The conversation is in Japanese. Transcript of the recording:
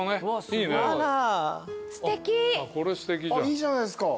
いいじゃないですか。